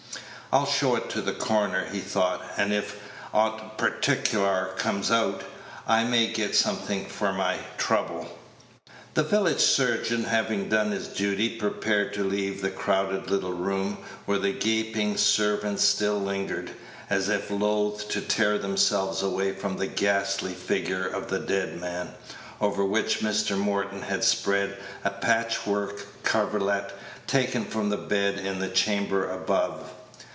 "I'll show it to the coroner," he thought, "and if aught particklar comes out, I may get something for my trouble." The village surgeon, having done his duty, prepared to leave the crowded little room, where the gaping servants still lingered, as if loath to tear themselves away from the ghastly figure of the dead man, over which Mr. Morton had spread a patchwork coverlet, taken from the bed in the chamber above.